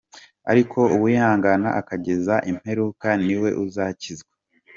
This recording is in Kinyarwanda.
Ariko uwihangana akageza imperuka ni we uzakizwa.